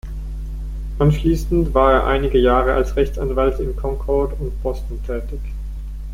Anschließend war er einige Jahre als Rechtsanwalt in Concord und Boston tätig.